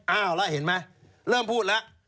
อ้าวแล้วเห็นไหมเริ่มพูดแล้ว